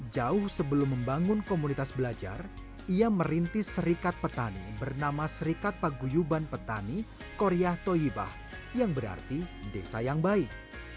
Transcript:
jauh sebelum membangun komunitas belajar ia merintis serikat petani bernama serikat paguyuban petani korea toyibah yang berarti desa yang baik